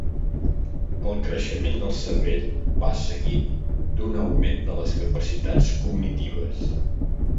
El creixement del cervell va seguit d'un augment de les capacitats cognitives.